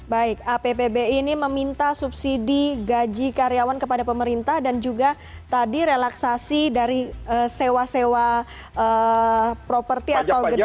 baik appbi ini meminta subsidi gaji karyawan kepada pemerintah dan juga tadi relaksasi dari sewa sewa properti atau gedung